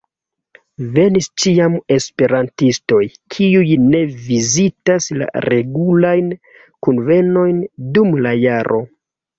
Venis ĉiam esperantistoj, kiuj ne vizitas la regulajn kunvenojn dum la jaro.